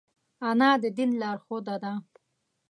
انا د دین لارښوده ده